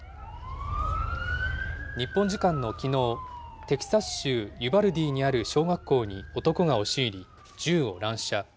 日本時間のきのう、テキサス州ユバルディにある小学校に男が押し入り、銃を乱射。